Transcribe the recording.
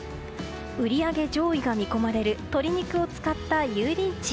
売り上げ上位が見込まれる鶏肉を使った油淋鶏。